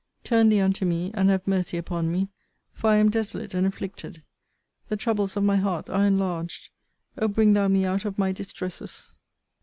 Turn thee unto me, and have mercy upon me; for I am desolate and afflicted. The troubles of my heart are enlarged. O bring thou me out of my distresses!